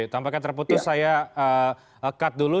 tanpa kata putus saya cut dulu